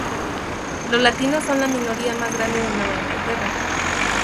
Los latinos son la minoría más grande de Nueva Inglaterra.